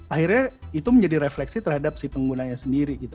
akhirnya itu menjadi refleksi terhadap si penggunanya sendiri gitu